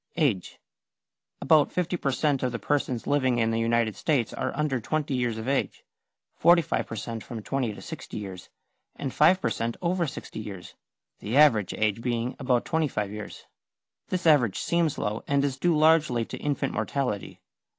=Age.= About 50 per cent. of the persons living in the United States are under 20 years of age, 45 per cent. from 20 to 60 years, and 5 per cent. over 60 years, the average age being about 25 years. This average seems low, and is due largely to infant mortality.